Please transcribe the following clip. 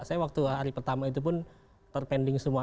saya waktu hari pertama itu pun ter pending semua